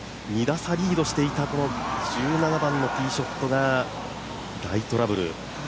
２打差リードしていた１７番のティーショットが大トラブル。